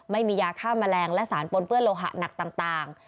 ไม่มียาฆ่าแมลงและสารปนเปื้อนโลหะหนักต่าง